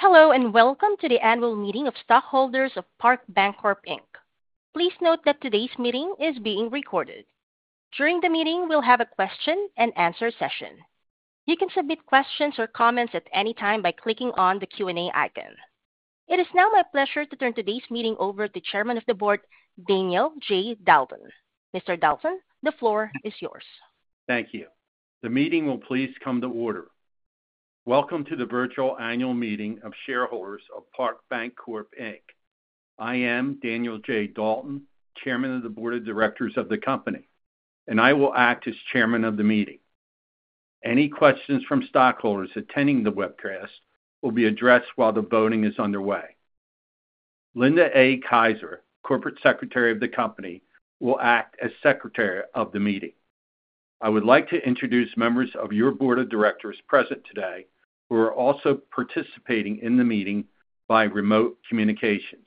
Hello, and welcome to the annual meeting of stockholders of Parke Bancorp Inc. Please note that today's meeting is being recorded. During the meeting, we'll have a question-and-answer session. You can submit questions or comments at any time by clicking on the Q&A icon. It is now my pleasure to turn today's meeting over to Chairman of the Board, Daniel J. Dalton. Mr. Dalton, the floor is yours. Thank you. The meeting will please come to order. Welcome to the virtual annual meeting of shareholders of Parke Bancorp. I am Daniel J. Dalton, Chairman of the Board of Directors of the company, and I will act as Chairman of the meeting. Any questions from stockholders attending the webcast will be addressed while the voting is underway. Linda A. Kaiser, Corporate Secretary of the company, will act as Secretary of the meeting. I would like to introduce members of your Board of Directors present today who are also participating in the meeting by remote communications: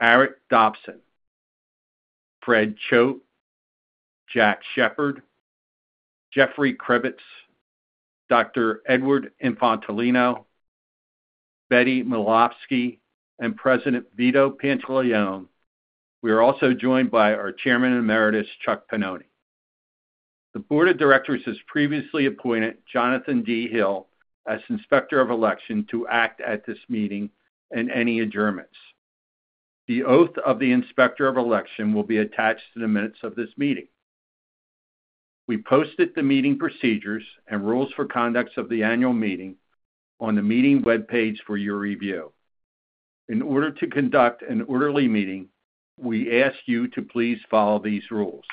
Eric Dobson, Fred G. Chote, Jack C. Shepherd Jr., Jeffrey H. Krebitz, Dr. Edward Infantolino, Betty Milavsky, and President Vito S. Pantilione. We are also joined by our Chairman Emeritus, Chuck Pennoni. The Board of Directors has previously appointed Jonathan D. Hill as Inspector of Election to act at this meeting and any adjournments. The oath of the Inspector of Election will be attached to the minutes of this meeting. We posted the meeting procedures and rules for conduct of the annual meeting on the meeting web page for your review. In order to conduct an orderly meeting, we ask you to please follow these rules.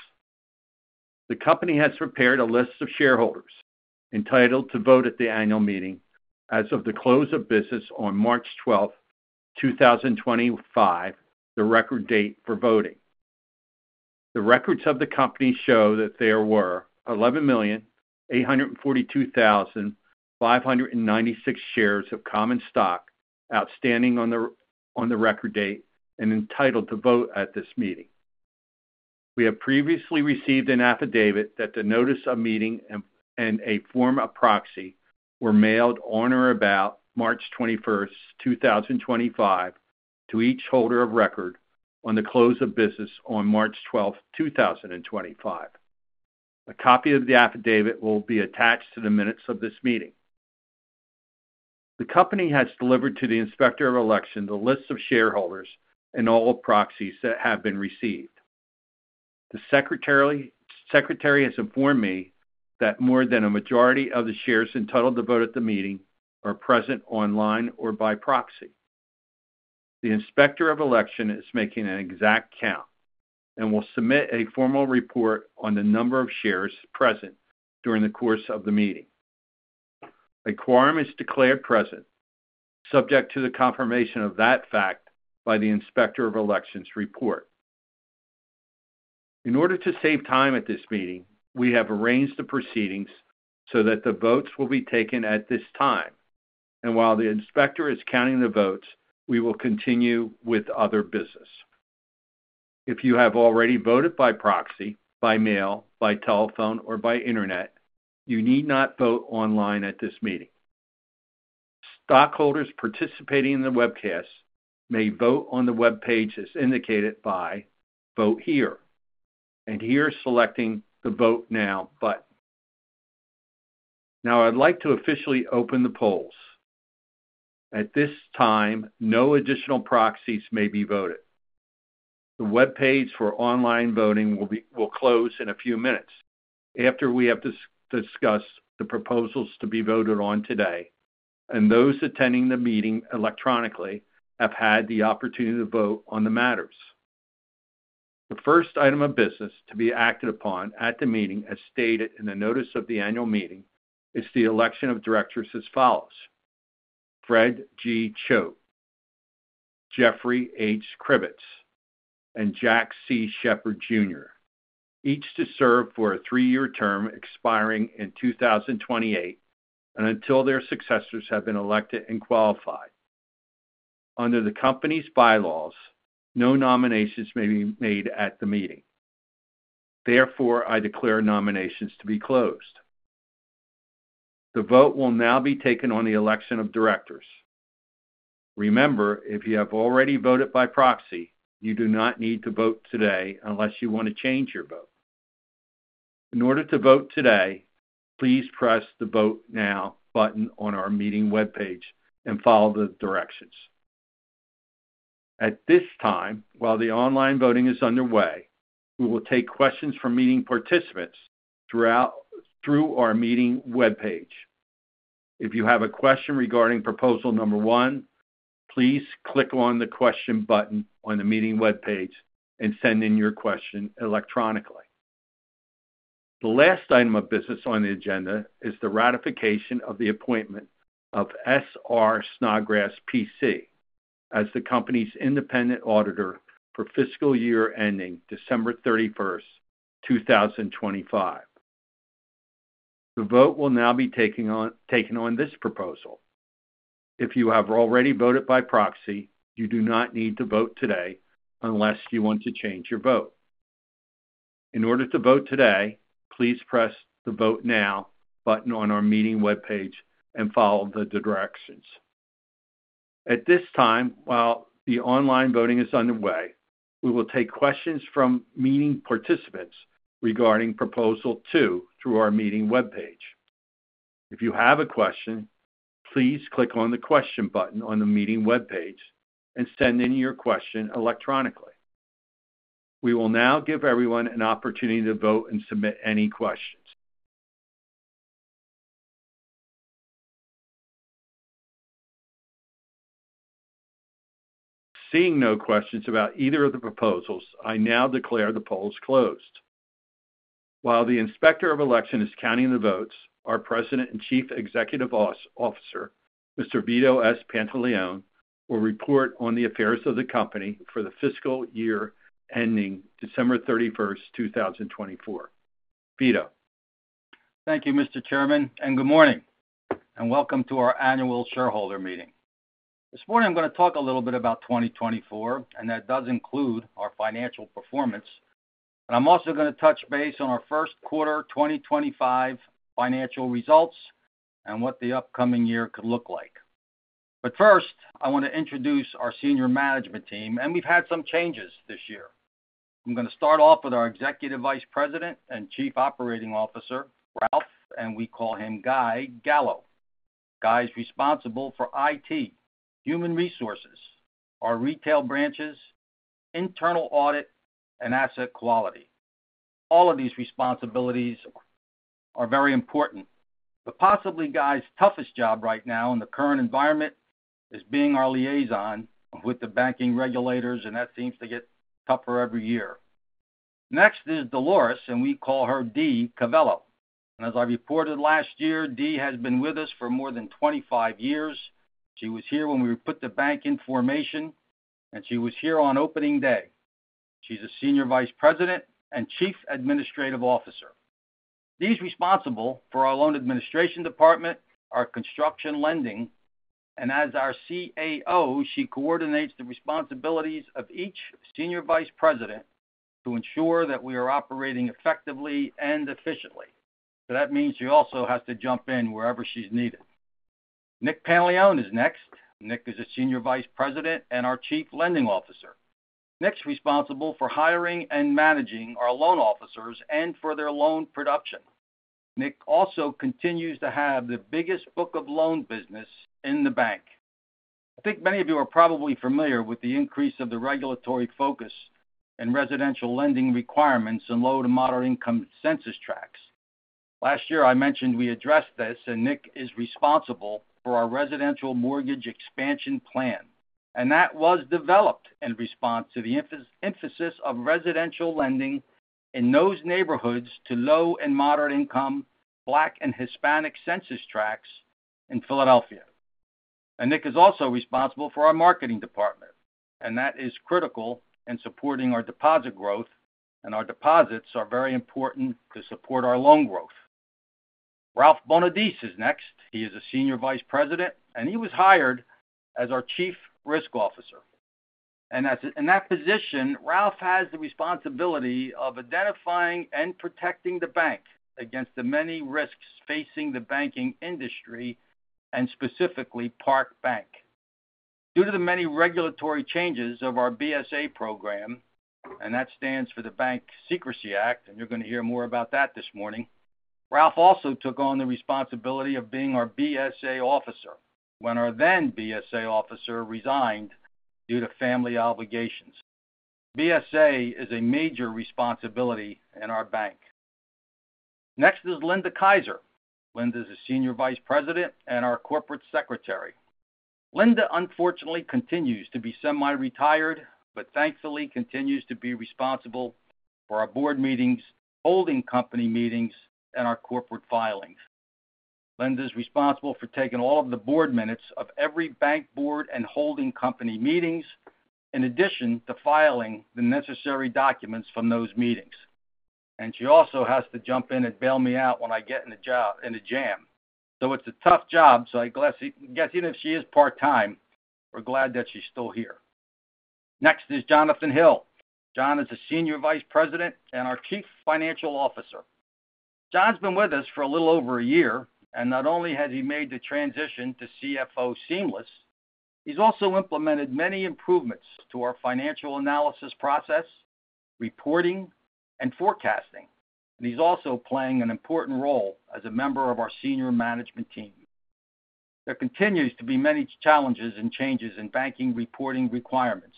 The company has prepared a list of shareholders entitled to vote at the annual meeting as of the close of business on March 12, 2025, the record date for voting. The records of the company show that there were 11,842,596 shares of common stock outstanding on the record date and entitled to vote at this meeting. We have previously received an affidavit that the notice of meeting and a form of proxy were mailed on or about March 21, 2025, to each holder of record on the close of business on March 12, 2025. A copy of the affidavit will be attached to the minutes of this meeting. The company has delivered to the Inspector of Election the list of shareholders and all proxies that have been received. The Secretary has informed me that more than a majority of the shares entitled to vote at the meeting are present online or by proxy. The Inspector of Election is making an exact count and will submit a formal report on the number of shares present during the course of the meeting. A quorum is declared present, subject to the confirmation of that fact by the Inspector of Election's report. In order to save time at this meeting, we have arranged the proceedings so that the votes will be taken at this time. While the Inspector is counting the votes, we will continue with other business. If you have already voted by proxy, by mail, by telephone, or by internet, you need not vote online at this meeting. Stockholders participating in the webcast may vote on the web page as indicated by "Vote Here" and here selecting the "Vote Now" button. Now, I'd like to officially open the polls. At this time, no additional proxies may be voted. The web page for online voting will close in a few minutes after we have discussed the proposals to be voted on today, and those attending the meeting electronically have had the opportunity to vote on the matters. The first item of business to be acted upon at the meeting, as stated in the notice of the annual meeting, is the election of directors as follows: Fred G. Chote, Jeffrey H. Krebitz, and Jack C. Shepherd Jr., each to serve for a three-year term expiring in 2028 and until their successors have been elected and qualified. Under the company's bylaws, no nominations may be made at the meeting. Therefore, I declare nominations to be closed. The vote will now be taken on the election of directors. Remember, if you have already voted by proxy, you do not need to vote today unless you want to change your vote. In order to vote today, please press the "Vote Now" button on our meeting web page and follow the directions. At this time, while the online voting is underway, we will take questions from meeting participants throughout our meeting web page. If you have a question regarding proposal number one, please click on the question button on the meeting web page and send in your question electronically. The last item of business on the agenda is the ratification of the appointment of S. R. Snodgrass, P.C., as the company's independent auditor for fiscal year ending December 31, 2025. The vote will now be taken on this proposal. If you have already voted by proxy, you do not need to vote today unless you want to change your vote. In order to vote today, please press the "Vote Now" button on our meeting web page and follow the directions. At this time, while the online voting is underway, we will take questions from meeting participants regarding proposal two through our meeting web page. If you have a question, please click on the question button on the meeting web page and send in your question electronically. We will now give everyone an opportunity to vote and submit any questions. Seeing no questions about either of the proposals, I now declare the polls closed. While the Inspector of Election is counting the votes, our President and Chief Executive Officer, Mr. Vito S. Pantilione, will report on the affairs of the company for the fiscal year ending December 31, 2024. Vito. Thank you, Mr. Chairman, and good morning, and welcome to our annual shareholder meeting. This morning, I'm going to talk a little bit about 2024, and that does include our financial performance. I'm also going to touch base on our first quarter 2025 financial results and what the upcoming year could look like. First, I want to introduce our senior management team, and we've had some changes this year. I'm going to start off with our Executive Vice President and Chief Operating Officer, Ralph, and we call him Guy, Gallo. Guy is responsible for IT, human resources, our retail branches, internal audit, and asset quality. All of these responsibilities are very important. Possibly Guy's toughest job right now in the current environment is being our liaison with the banking regulators, and that seems to get tougher every year. Next is Dolores, and we call her Dee Cavello. As I reported last year, Dee has been with us for more than 25 years. She was here when we put the bank in formation, and she was here on opening day. She's a Senior Vice President and Chief Administrative Officer. Dee's responsible for our loan administration department, our construction lending, and as our CAO, she coordinates the responsibilities of each Senior Vice President to ensure that we are operating effectively and efficiently. That means she also has to jump in wherever she's needed. Nick Pantaleone is next. Nick is a Senior Vice President and our Chief Lending Officer. Nick's responsible for hiring and managing our loan officers and for their loan production. Nick also continues to have the biggest book of loan business in the bank. I think many of you are probably familiar with the increase of the regulatory focus in residential lending requirements in low to moderate-income census tracts. Last year, I mentioned we addressed this, and Nick is responsible for our residential mortgage expansion plan, and that was developed in response to the emphasis of residential lending in those neighborhoods to low and moderate-income Black and Hispanic census tracts in Philadelphia. Nick is also responsible for our marketing department, and that is critical in supporting our deposit growth, and our deposits are very important to support our loan growth. Ralph Bonadise is next. He is a Senior Vice President, and he was hired as our Chief Risk Officer. In that position, Ralph has the responsibility of identifying and protecting the bank against the many risks facing the banking industry and specifically Parke Bank. Due to the many regulatory changes of our BSA program, and that stands for the Bank Secrecy Act, and you're going to hear more about that this morning, Ralph also took on the responsibility of being our BSA officer when our then BSA officer resigned due to family obligations. BSA is a major responsibility in our bank. Next is Linda Kaiser. Linda is a Senior Vice President and our Corporate Secretary. Linda, unfortunately, continues to be semi-retired, but thankfully continues to be responsible for our board meetings, holding company meetings, and our corporate filings. Linda's responsible for taking all of the board minutes of every bank board and holding company meetings, in addition to filing the necessary documents from those meetings. She also has to jump in and bail me out when I get in a jam. It's a tough job, so I guess even if she is part-time, we're glad that she's still here. Next is Jonathan Hill. Jon is a Senior Vice President and our Chief Financial Officer. Jon's been with us for a little over a year, and not only has he made the transition to CFO seamless, he's also implemented many improvements to our financial analysis process, reporting, and forecasting. He's also playing an important role as a member of our senior management team. There continues to be many challenges and changes in banking reporting requirements,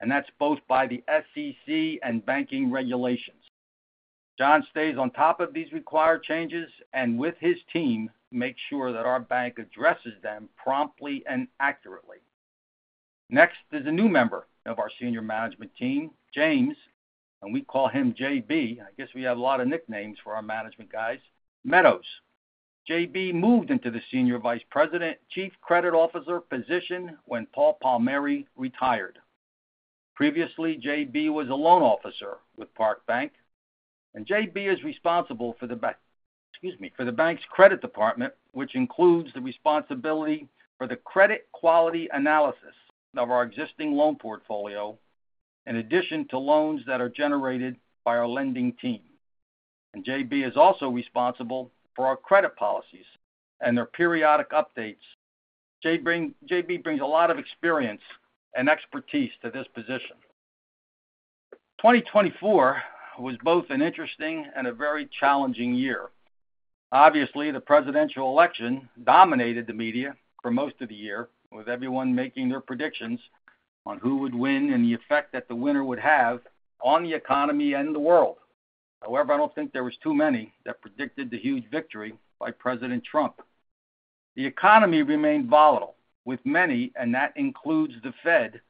and that's both by the SEC and banking regulations. Jon stays on top of these required changes and with his team makes sure that our bank addresses them promptly and accurately. Next is a new member of our senior management team, James, and we call him JB. I guess we have a lot of nicknames for our management guys. Meadows. JB moved into the Senior Vice President, Chief Credit Officer position when Paul Palmieri retired. Previously, JB was a loan officer with Parke Bank, and JB is responsible for the bank's credit department, which includes the responsibility for the credit quality analysis of our existing loan portfolio, in addition to loans that are generated by our lending team. JB is also responsible for our credit policies and their periodic updates. JB brings a lot of experience and expertise to this position. 2024 was both an interesting and a very challenging year. Obviously, the presidential election dominated the media for most of the year, with everyone making their predictions on who would win and the effect that the winner would have on the economy and the world. However, I don't think there were too many that predicted the huge victory by President Trump. The economy remained volatile, with many, and that includes the Fed,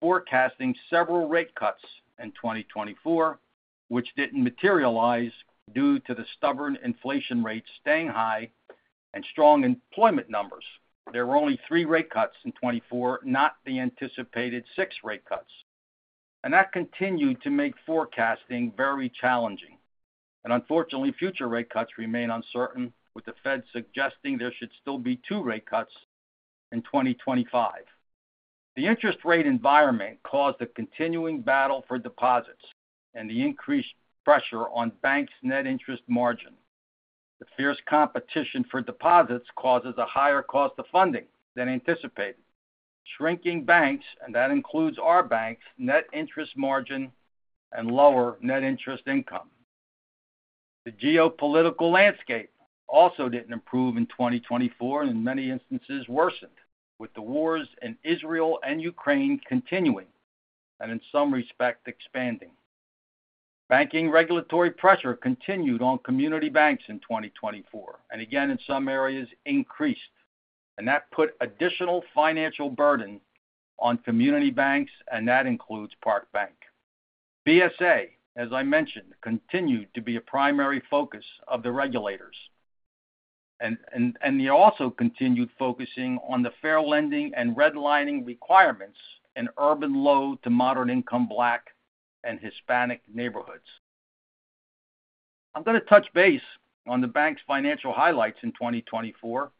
forecasting several rate cuts in 2024, which didn't materialize due to the stubborn inflation rates staying high and strong employment numbers. There were only three rate cuts in 2024, not the anticipated six rate cuts. That continued to make forecasting very challenging. Unfortunately, future rate cuts remain uncertain, with the Fed suggesting there should still be two rate cuts in 2025. The interest rate environment caused a continuing battle for deposits and the increased pressure on banks' net interest margin. The fierce competition for deposits causes a higher cost of funding than anticipated, shrinking banks, and that includes our bank's, net interest margin, and lower net interest income. The geopolitical landscape also did not improve in 2024, and in many instances, worsened, with the wars in Israel and Ukraine continuing and, in some respect, expanding. Banking regulatory pressure continued on community banks in 2024, and again, in some areas, increased, and that put additional financial burden on community banks, and that includes Parke Bank. BSA, as I mentioned, continued to be a primary focus of the regulators, and they also continued focusing on the fair lending and redlining requirements in urban low to moderate-income Black and Hispanic neighborhoods. I'm going to touch base on the bank's financial highlights in 2024.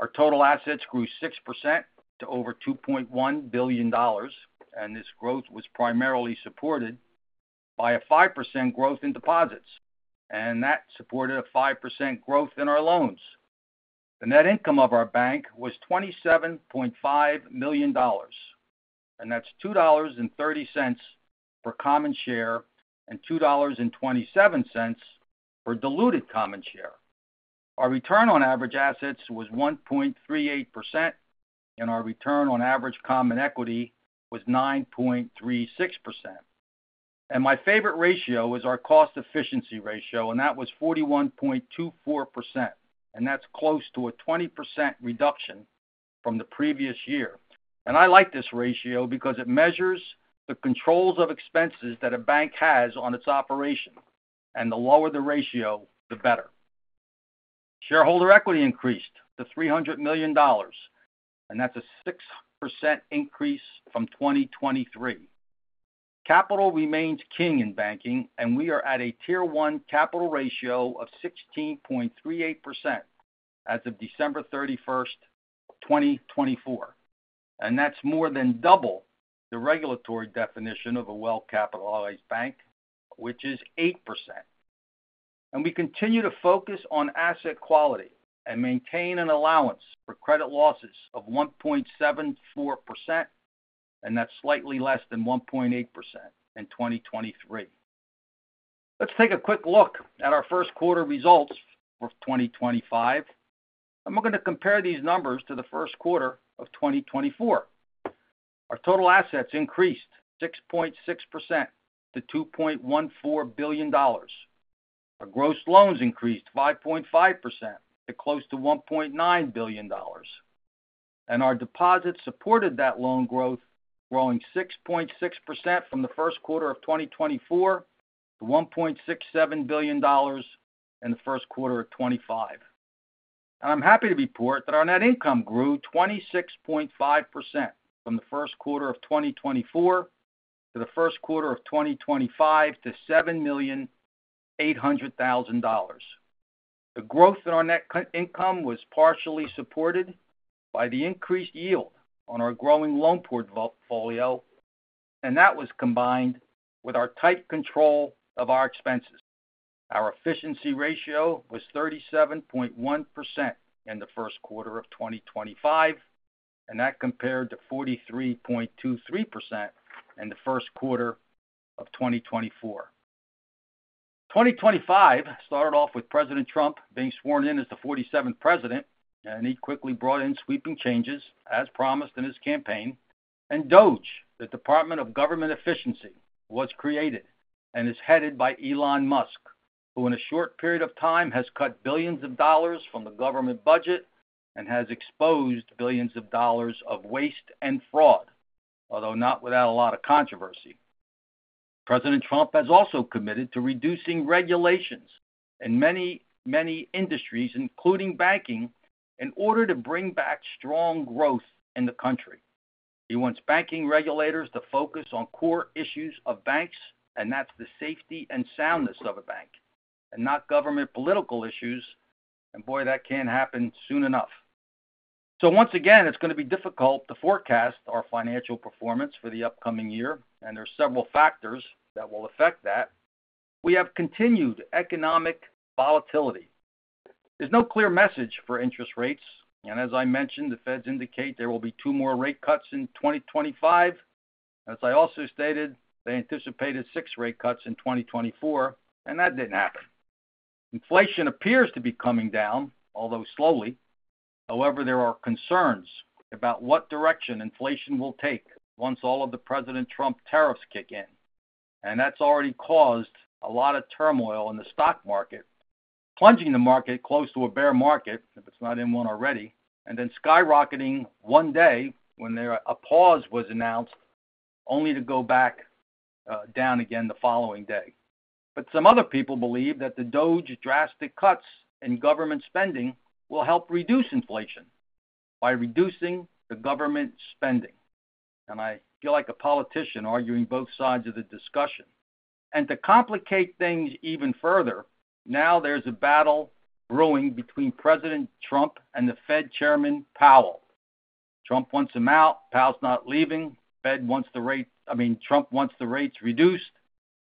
Our total assets grew 6% to over $2.1 billion, and this growth was primarily supported by a 5% growth in deposits, and that supported a 5% growth in our loans. The net income of our bank was $27.5 million, and that's $2.30 for common share and $2.27 for diluted common share. Our return on average assets was 1.38%, and our return on average common equity was 9.36%. My favorite ratio is our cost efficiency ratio, and that was 41.24%, and that's close to a 20% reduction from the previous year. I like this ratio because it measures the controls of expenses that a bank has on its operation, and the lower the ratio, the better. Shareholder equity increased to $300 million, and that's a 6% increase from 2023. Capital remains king in banking, and we are at a tier one capital ratio of 16.38% as of December 31, 2024, and that's more than double the regulatory definition of a well-capitalized bank, which is 8%. We continue to focus on asset quality and maintain an allowance for credit losses of 1.74%, and that's slightly less than 1.8% in 2023. Let's take a quick look at our first quarter results for 2025. I'm going to compare these numbers to the first quarter of 2024. Our total assets increased 6.6% to $2.14 billion. Our gross loans increased 5.5% to close to $1.9 billion. Our deposits supported that loan growth, growing 6.6% from the first quarter of 2024 to $1.67 billion in the first quarter of 2025. I'm happy to report that our net income grew 26.5% from the first quarter of 2024 to the first quarter of 2025 to $7,800,000. The growth in our net income was partially supported by the increased yield on our growing loan portfolio, and that was combined with our tight control of our expenses. Our efficiency ratio was 37.1% in the first quarter of 2025, and that compared to 43.23% in the first quarter of 2024. 2025 started off with President Trump being sworn in as the 47th president, and he quickly brought in sweeping changes, as promised in his campaign. The Department of Government Efficiency, DOGE, was created and is headed by Elon Musk, who in a short period of time has cut billions of dollars from the government budget and has exposed billions of dollars of waste and fraud, although not without a lot of controversy. President Trump has also committed to reducing regulations in many, many industries, including banking, in order to bring back strong growth in the country. He wants banking regulators to focus on core issues of banks, and that's the safety and soundness of a bank, not government political issues, and boy, that can't happen soon enough. Once again, it's going to be difficult to forecast our financial performance for the upcoming year, and there are several factors that will affect that. We have continued economic volatility. There's no clear message for interest rates, and as I mentioned, the Fed's indicate there will be two more rate cuts in 2025. As I also stated, they anticipated six rate cuts in 2024, and that didn't happen. Inflation appears to be coming down, although slowly. However, there are concerns about what direction inflation will take once all of the President Trump tariffs kick in, and that's already caused a lot of turmoil in the stock market, plunging the market close to a bear market if it's not in one already, then skyrocketing one day when a pause was announced, only to go back down again the following day. Some other people believe that the DOGE drastic cuts in government spending will help reduce inflation by reducing the government spending. I feel like a politician arguing both sides of the discussion. To complicate things even further, now there's a battle brewing between President Trump and the Fed Chairman Powell. Trump wants him out, Powell's not leaving, Fed wants the rates, I mean, Trump wants the rates reduced,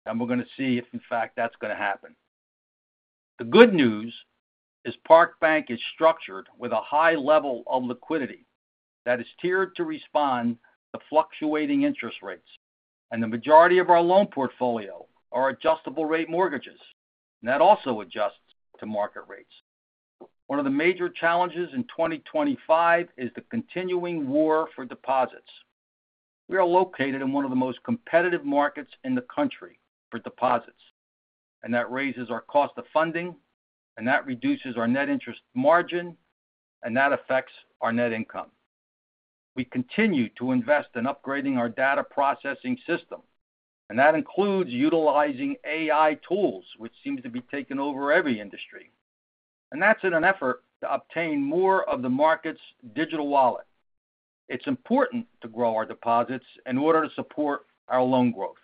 and we're going to see if, in fact, that's going to happen. The good news is Parke Bank is structured with a high level of liquidity that is tiered to respond to fluctuating interest rates, and the majority of our loan portfolio are adjustable rate mortgages, and that also adjusts to market rates. One of the major challenges in 2025 is the continuing war for deposits. We are located in one of the most competitive markets in the country for deposits, and that raises our cost of funding, and that reduces our net interest margin, and that affects our net income. We continue to invest in upgrading our data processing system, and that includes utilizing AI tools, which seems to be taking over every industry. That is in an effort to obtain more of the market's digital wallet. It's important to grow our deposits in order to support our loan growth.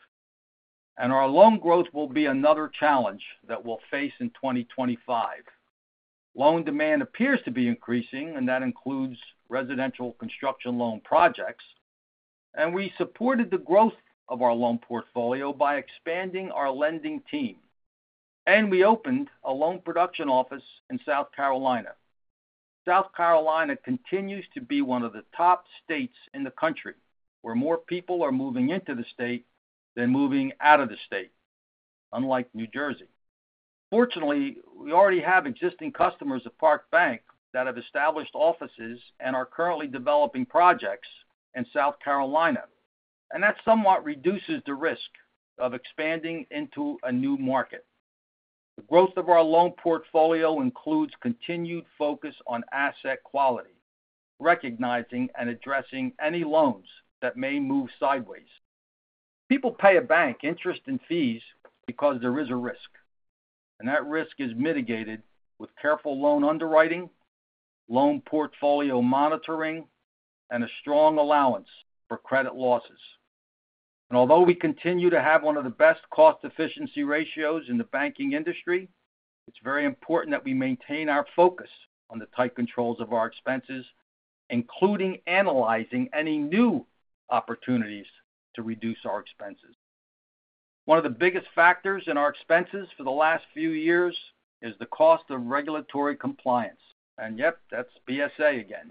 Our loan growth will be another challenge that we'll face in 2025. Loan demand appears to be increasing, and that includes residential construction loan projects. We supported the growth of our loan portfolio by expanding our lending team, and we opened a loan production office in South Carolina. South Carolina continues to be one of the top states in the country where more people are moving into the state than moving out of the state, unlike New Jersey. Fortunately, we already have existing customers at Parke Bank that have established offices and are currently developing projects in South Carolina, and that somewhat reduces the risk of expanding into a new market. The growth of our loan portfolio includes continued focus on asset quality, recognizing and addressing any loans that may move sideways. People pay a bank interest in fees because there is a risk, and that risk is mitigated with careful loan underwriting, loan portfolio monitoring, and a strong allowance for credit losses. Although we continue to have one of the best cost efficiency ratios in the banking industry, it's very important that we maintain our focus on the tight controls of our expenses, including analyzing any new opportunities to reduce our expenses. One of the biggest factors in our expenses for the last few years is the cost of regulatory compliance, and yep, that's BSA again.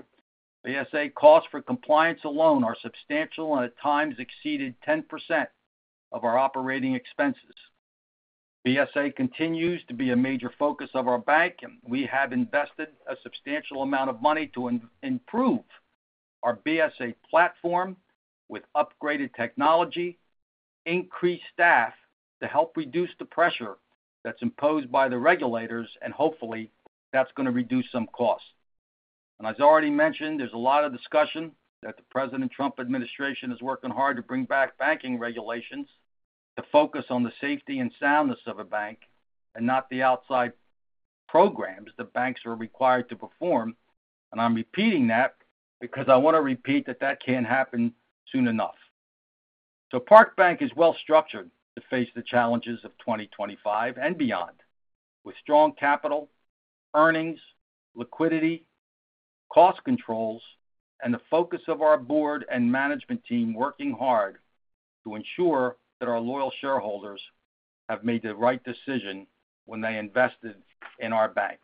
BSA costs for compliance alone are substantial and at times exceeded 10% of our operating expenses. BSA continues to be a major focus of our bank, and we have invested a substantial amount of money to improve our BSA platform with upgraded technology, increased staff to help reduce the pressure that's imposed by the regulators, and hopefully, that's going to reduce some costs. As I already mentioned, there's a lot of discussion that the President Trump administration is working hard to bring back banking regulations to focus on the safety and soundness of a bank and not the outside programs that banks are required to perform. I'm repeating that because I want to repeat that that can't happen soon enough. Parke Bank is well structured to face the challenges of 2025 and beyond, with strong capital, earnings, liquidity, cost controls, and the focus of our board and management team working hard to ensure that our loyal shareholders have made the right decision when they invested in our bank.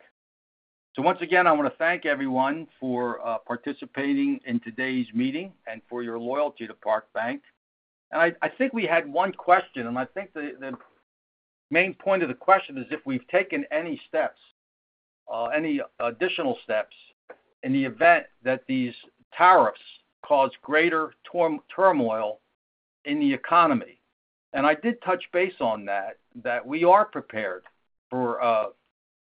Once again, I want to thank everyone for participating in today's meeting and for your loyalty to Parke Bank. I think we had one question, and I think the main point of the question is if we've taken any steps, any additional steps in the event that these tariffs cause greater turmoil in the economy. I did touch base on that, that we are prepared for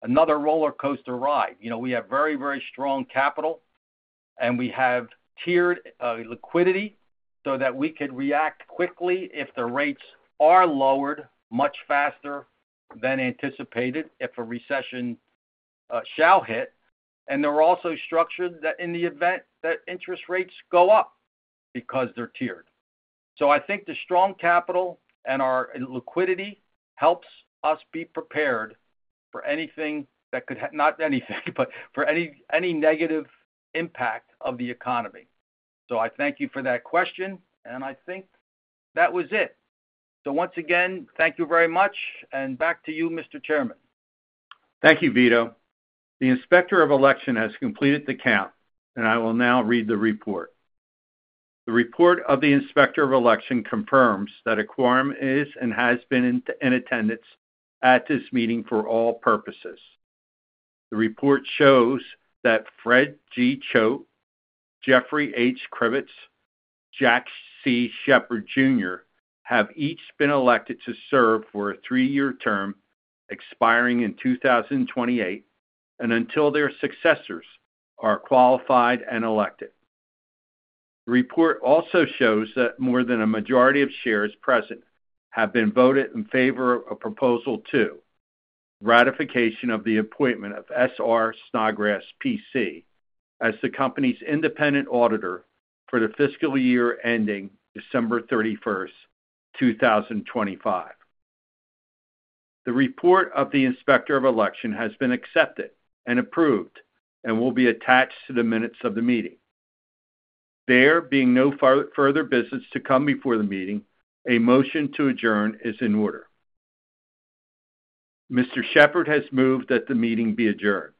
another roller coaster ride. You know, we have very, very strong capital, and we have tiered liquidity so that we could react quickly if the rates are lowered much faster than anticipated if a recession shall hit. They are also structured that in the event that interest rates go up because they are tiered. I think the strong capital and our liquidity helps us be prepared for anything that could, not anything, but for any negative impact of the economy. I thank you for that question, and I think that was it. Once again, thank you very much, and back to you, Mr. Chairman. Thank you, Vito. The Inspector of Election has completed the count, and I will now read the report. The report of the Inspector of Election confirms that a quorum is and has been in attendance at this meeting for all purposes. The report shows that Fred G. Chote, Jeffrey H. Krebitz, and Jack C. Shepherd Jr. have each been elected to serve for a three-year term expiring in 2028, and until their successors are qualified and elected. The report also shows that more than a majority of shares present have been voted in favor of a proposal to ratification of the appointment of S. R. Snodgrass, P.C. as the company's independent auditor for the fiscal year ending December 31, 2025. The report of the Inspector of Election has been accepted and approved and will be attached to the minutes of the meeting. There being no further business to come before the meeting, a motion to adjourn is in order. Mr. Shepherd has moved that the meeting be adjourned.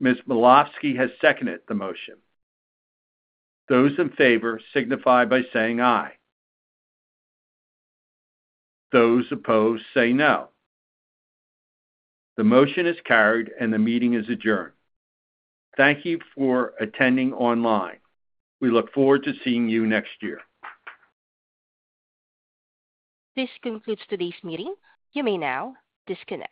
Ms. Milavsky has seconded the motion. Those in favor signify by saying "Aye." Those opposed say "No." The motion is carried, and the meeting is adjourned. Thank you for attending online. We look forward to seeing you next year. This concludes today's meeting. You may now disconnect.